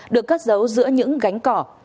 được cất giấu giữa những gánh cỏ